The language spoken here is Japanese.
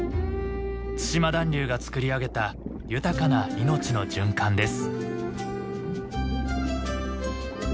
対馬暖流が作り上げた豊かな命の循環です。